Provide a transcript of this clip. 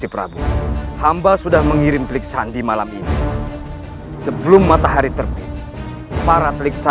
perkembangan kandung terajes